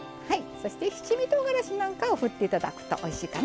そして七味とうがらしなんかを振っていただくとおいしいかな。